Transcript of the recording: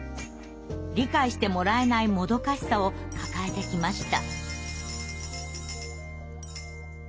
理解してもらえないもどかしさを抱えてきました。